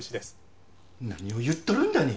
何を言っとるんだね。